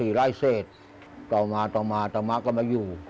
ไร่เศษต่อมาต่อมาต่อมะก็มาอยู่